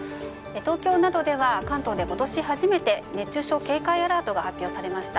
東京などでは関東で今年初めて熱中症警戒アラートが発表されました。